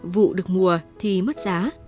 vụ được mùa thì mất giá